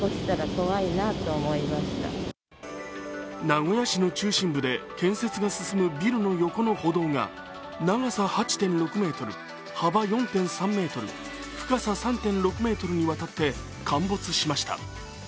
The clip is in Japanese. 名古屋市の中心部で建設が進むビルの横の歩道が長さ８．６ｍ、幅４．３ｍ深さ３．６ｍに渡って陥没しました。